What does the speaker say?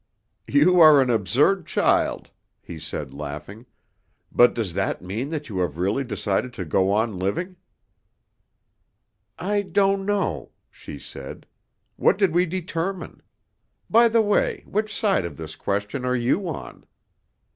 "You are an absurd child," he said, laughing; "but does that mean that you have really decided to go on living?" "I don't know," she said. "What did we determine? By the way, which side of this question are you on?"